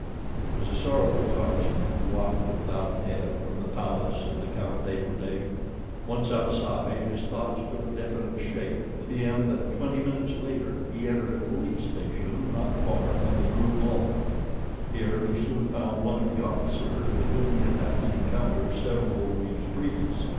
It was a sorrowful Tarzan who walked with bowed head from the palace of the Count de Coude. Once outside his thoughts took definite shape, to the end that twenty minutes later he entered a police station not far from the Rue Maule. Here he soon found one of the officers with whom he had had the encounter several weeks previous.